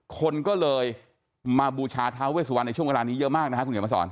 คนก็เลยมาบูชาท้าเวสวันในช่วงเวลานี้เยอะมากนะครับคุณเขียนมาสอน